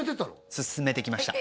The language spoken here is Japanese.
進めてきました